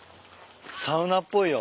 サウナっぽいよ。